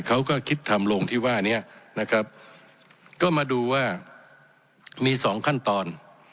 เขาก็คิดทำลงที่ว่านี้นะครับก็มาดูว่ามีสองขั้นตอน